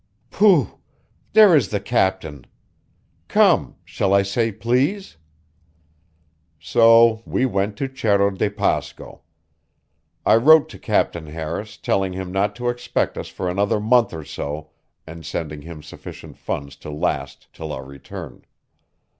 "Pooh! There is the captain. Come shall I say please?" So we went to Cerro de Pasco. I wrote to Captain Harris, telling him not to expect us for another month or so, and sending him sufficient funds to last till our return.